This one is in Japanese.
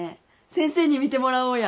先生に見てもらおうや。